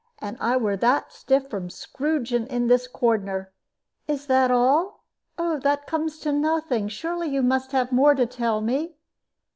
And I were that stiff with scrooging in this cornder " "Is that all? Oh, that comes to nothing. Surely you must have more to tell me?